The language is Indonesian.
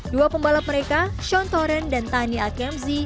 dua pembalap mereka sean torren dan tani alkemzi